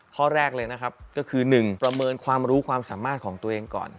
ข้อแรกเลยนะครับก็คือ๑ประเมินความรู้ความสามารถของตัวเองก่อน